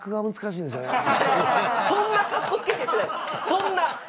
そんな。